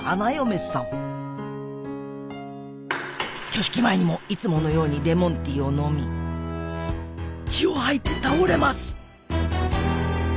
挙式前にもいつものようにレモンティーを飲み血を吐いて倒れます！